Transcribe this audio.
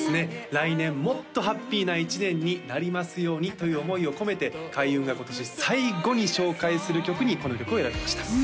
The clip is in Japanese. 来年もっとハッピーな一年になりますようにという思いを込めて開運が今年最後に紹介する曲にこの曲を選びました